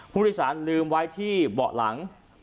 ผู้โดยสารลืมไว้ที่เบาะหลัง